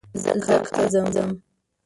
زه کار ته ځم